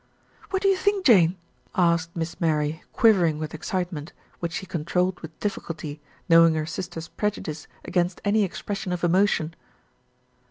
"What do you think, Jane?" asked Miss Mary, 280 THE RETURN OF ALFRED quivering with excitement, which she controlled with difficulty, knowing her sister's prejudice against any expression of emotion.